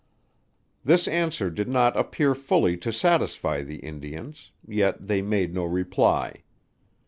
This answer did not appear fully to satisfy the Indians, yet they made no reply.